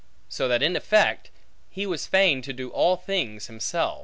So that in effect, he was fain to do all things himself.